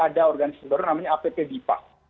ada organisasi baru namanya app bipa